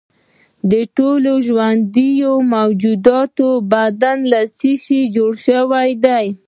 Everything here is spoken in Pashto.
د ټولو ژوندیو موجوداتو بدن له څه شي جوړ دی